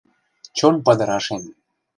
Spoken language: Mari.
Чон падырашем...